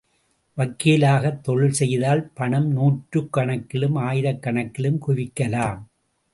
வக்கீலாகத் தொழில் செய்தால், பணம் நூற்றுக் கணக்கிலும், ஆயிரக் கணக்கிலும் குவிக்கலாம்.